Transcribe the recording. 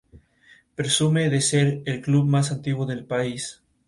Más tarde, entablaría una relación con el belga Bruno Laurent Barbier.